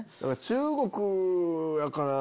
中国やから。